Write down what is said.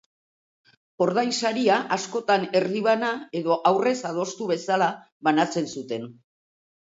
Ordainsaria askotan erdibana edo aurrez adostu bezala banatzen zuten.